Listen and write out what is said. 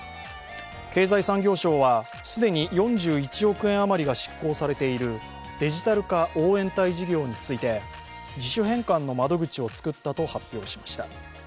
経済産業省は既に４１億円余りが執行されているデジタル化応援隊事業について自主返還の窓口を作ったと発表しました。